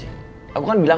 sengaja marti rezeki semuanya